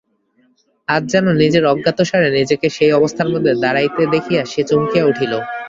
আজ যেন নিজের অজ্ঞাতসারে নিজেকে সেই অবস্থার মধ্যে দাঁড়াইতে দেখিয়া সে চমকিয়া উঠিল।